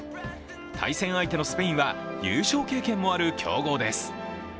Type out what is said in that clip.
対戦相手のスペインは優勝経験もある強豪です。